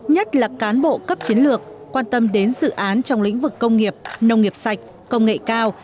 nhất là cán bộ cấp chiến lược quan tâm đến dự án trong lĩnh vực công nghiệp nông nghiệp sạch công nghệ cao